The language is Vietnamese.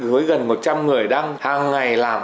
với gần một trăm linh người đang hàng ngày làm